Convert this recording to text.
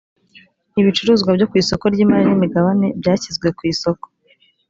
ibicuruzwa byo ku isoko ry’ imari n imigabane byashyizwe ku isoko